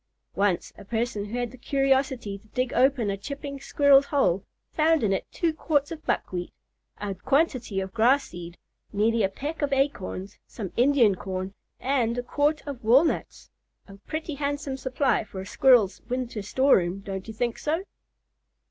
Once a person who had the curiosity to dig open a chipping squirrel's hole found in it two quarts of buckwheat, a quantity of grass seed, nearly a peck of acorns, some Indian corn, and a quart of walnuts; a pretty handsome supply for a squirrel's winter store room—don't you think so?